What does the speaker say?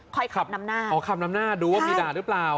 ขับนำหน้าอ๋อขับนำหน้าดูว่ามีด่าหรือเปล่า